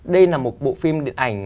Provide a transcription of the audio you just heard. đây là một bộ phim điện ảnh